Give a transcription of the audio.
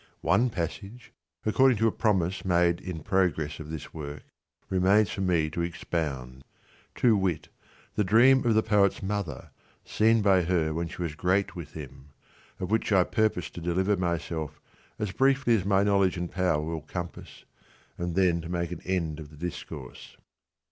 One passage (according to a promise made in progress of this work) remains for me to expound ; to wit, the dream of the Poet's mother, seen by her when she was great with him ; of which I purpose to deliver myself as briefly as my knowledge and power will compass, and then to make an end of the discourse.